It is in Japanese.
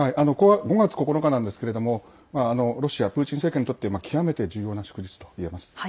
５月９日なんですけれどもロシア、プーチン政権にとって極めて重要な祝日といえます。